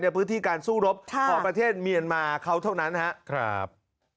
ในพื้นที่การสู้รบของประเทศเมียนมาเขาเท่านั้นครับ